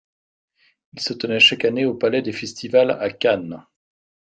Il se tenait chaque année au Palais des festivals à Cannes.